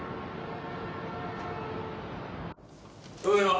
ただいま。